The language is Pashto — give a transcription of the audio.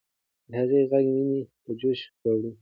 د هغې ږغ ويني په جوش راوړي.